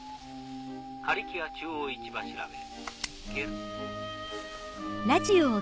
カリキア中央市場調べ。